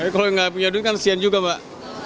kalau yang nggak punya duit kan sian juga mbak